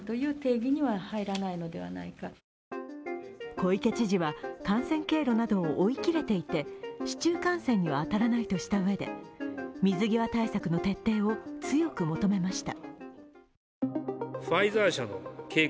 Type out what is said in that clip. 小池知事は感染経路などを追いきれていて市中感染には当たらないとしたうえで水際対策の徹底を強く求めました。